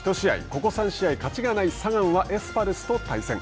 ここ３試合勝ちがないサガンはエスパルスと対戦。